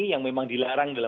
yang memang dilarang dalam